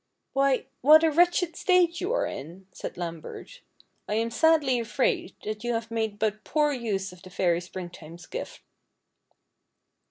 " Why, what a wretched state you are in !" said Lambert. " I am sadly afraid that you have made but poor use of the fairy Springtime's gift."